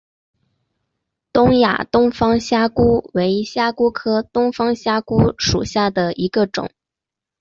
东亚东方虾蛄为虾蛄科东方虾蛄属下的一个种。